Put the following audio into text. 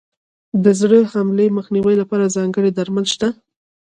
د زړه حملې مخنیوي لپاره ځانګړي درمل شته.